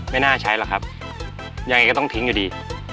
ไม่น่าใช้หรอกครับยังไงก็ต้องทิ้งอยู่ดี